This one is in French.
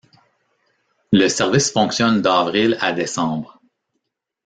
Le service fonctionne d'avril à décembre.